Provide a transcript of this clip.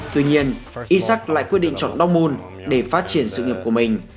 tuy nhiên isaac lại quyết định chọn dortmund để phát triển sự nghiệp của mình